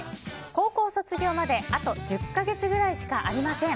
高校卒業まであと１０か月くらいしかありません。